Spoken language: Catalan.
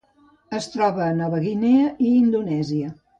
Es troba a Nova Guinea i Indonèsia.